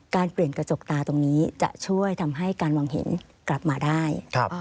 เปลี่ยนกระจกตาตรงนี้จะช่วยทำให้การมองเห็นกลับมาได้